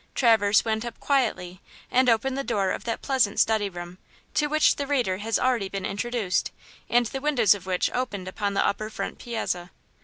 Traverse went up quietly and opened the door of that pleasant study room, to which the reader has already been introduced, and the windows of which opened upon the upper front piazza.